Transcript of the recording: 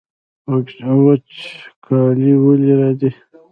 وچکالي ولې راځي؟